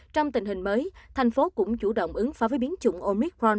trong tình hình mới thành phố cũng chủ động ứng phá với biến chủng omicron